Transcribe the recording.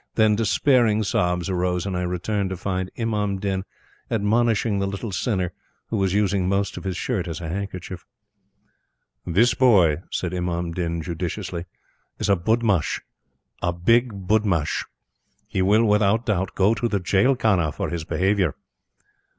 Then despairing sobs arose, and I returned to find Imam Din admonishing the small sinner who was using most of his shirt as a handkerchief. "This boy," said Imam Din, judicially, "is a budmash, a big budmash. He will, without doubt, go to the jail khana for his behavior."